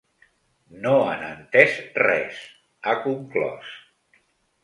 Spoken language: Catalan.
No han entès res, ha conclòs.